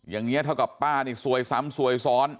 อย่างนี้เท่ากับป้านี่ซวยซ้ำซวยซ้อน